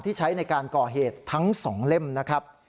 ใช้ในการก่อเหตุทั้ง๒เล่มนะครับ